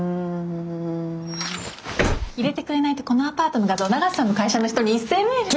入れてくれないとこのアパートの画像永瀬さんの会社の人に一斉メール。